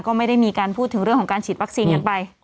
ก็ไม่ได้มีการพูดถึงเรื่องของการฉีดวัคซีนกันไป